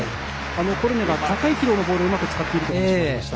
コルネが高い軌道のボールをよく使っているという話もありました。